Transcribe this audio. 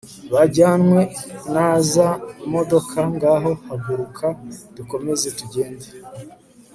bajyanwe naza modoka ngaho haguruka dukomeze tugende